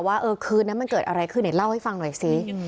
ว่าเออคืนนั้นมันเกิดอะไรขึ้นไหนเล่าให้ฟังหน่อยสิ